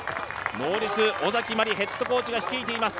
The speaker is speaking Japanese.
ノーリツ、小崎まりヘッドコーチが率いています。